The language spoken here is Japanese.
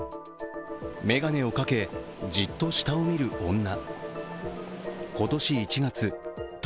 眼鏡をかけ、じっと下を見る女。